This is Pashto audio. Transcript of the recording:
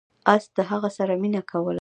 اس د هغه سره مینه کوله.